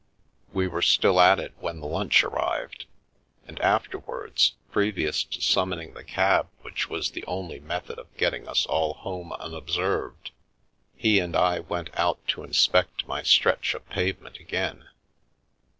We were still at it when the lunch arrived, and afterwards, previous to summoning the cab which was the only method of getting us all home unobserved, he and I went out to inspect my stretch of pavement again.